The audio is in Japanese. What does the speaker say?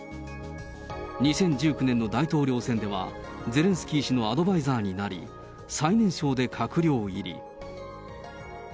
２０１９年の大統領選では、ゼレンスキー氏のアドバイザーになり、最年少で閣僚入り。